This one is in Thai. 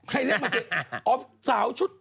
ให้เลขมาเสียงอ๋อสาวชุด